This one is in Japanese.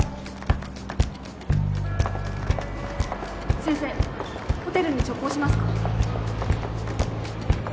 先生ホテルに直行しますか？